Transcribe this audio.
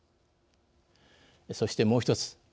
そして、もう１つ。